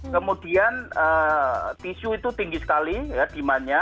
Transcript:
kemudian tisu itu tinggi sekali dimannya